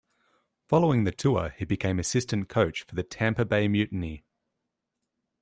Following the tour, he became assistant coach for the Tampa Bay Mutiny.